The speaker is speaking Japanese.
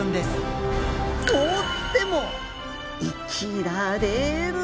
凍っても生きられる！？